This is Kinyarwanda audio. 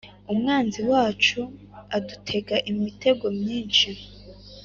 Umwanzi wacu adutega imitego myinshi